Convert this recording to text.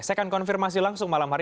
saya akan konfirmasi langsung malam hari